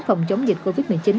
phòng chống dịch covid một mươi chín